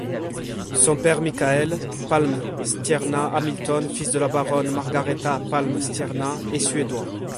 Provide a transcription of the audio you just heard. Son père, Michaël Palmstierna Hamilton, fils de la baronne Margaretha Palmstierna, est suédois.